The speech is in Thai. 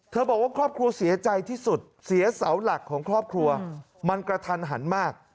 บอกว่าครอบครัวเสียใจที่สุดเสียเสาหลักของครอบครัวมันกระทันหันมาก